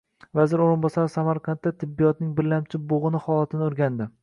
Vazir o‘rinbosari Samarqandda tibbiyotning birlamchi bo‘g‘ini holatini o‘rgandi